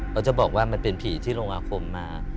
เขาจะบอกว่ามันเป็นผีที่ลงอาคมมา